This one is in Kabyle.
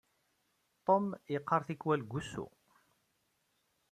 Tum yeqqar tikkwal deg wusu.